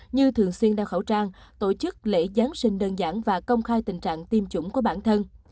như thường xuyên đeo khẩu trang tổ chức lễ giáng sinh đơn giản và công khai tình trạng tiêm chủng của bản thân